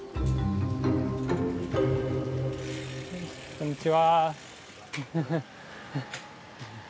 こんにちは。